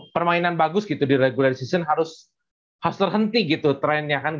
permainan bagus di regular season harus hasil henti trennya